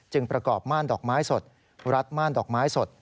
ประกอบม่านดอกไม้สดรัดม่านดอกไม้สด